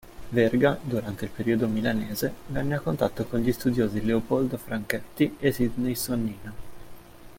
Verga, durante il periodo Milanese, venne a contatto con gli studiosi Leopoldo Franchetti e Sidney Sonnino.